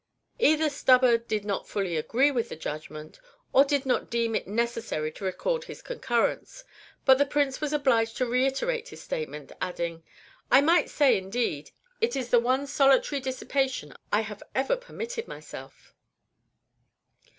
Either Stubber did not fully agree in the judgment, or did not deem it necessary to record his concurrence; but the Prince was obliged to reiterate his statement, adding, "I might say, indeed, it is the one solitary dissipation I have ever permitted myself."